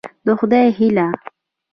د خدای هيله